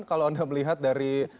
kalau anda melihat dari